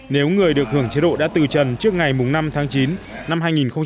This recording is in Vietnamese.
nếu người được hưởng chế độ đã từ trần trước ngày năm tháng chín năm hai nghìn một mươi chín